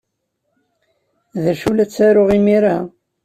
D acu la ttaruɣ imir-a?